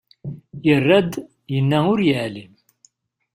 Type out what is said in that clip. Yerra-d, yenna ur yeεlim.